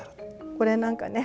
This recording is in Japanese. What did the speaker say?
これなんかね